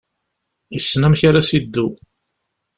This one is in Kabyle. Yessen amek ara s-yeddu.